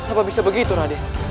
apa bisa begitu raden